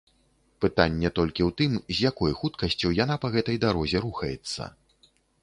Пытанне толькі ў тым, з якой хуткасцю яна па гэтай дарозе рухаецца.